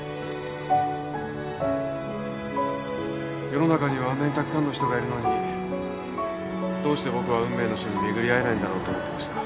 世の中にはあんなにたくさんの人がいるのにどうして僕は運命の人に巡り合えないんだろうと思ってました。